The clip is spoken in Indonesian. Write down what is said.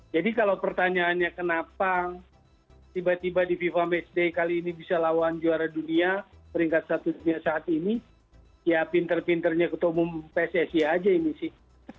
jadi kalau pertanyaannya kenapa tiba tiba di fifa matchday kali ini bisa lawan juara dunia peringkat satu dunia saat ini ya pinter pinternya ketemu pssi aja ini sih